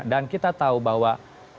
dan kita tahu bahwa